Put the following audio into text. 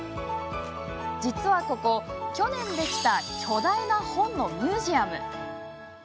実はここ、去年できた巨大な本のミュージアム。